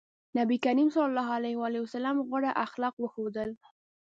نبي کريم ص غوره اخلاق وښودل.